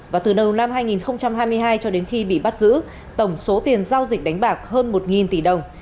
và từ đầu năm hai nghìn hai mươi hai cho đến khi bị bắt giữ tổng số tiền giao dịch đánh bạc hơn một tỷ đồng